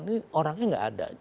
ini orangnya tidak ada